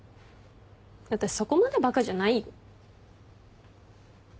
私そこまでバカじゃないよ。